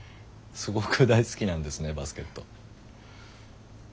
すごく大好きなんですねバスケット。